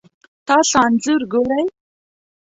تاسو انځور ګورئ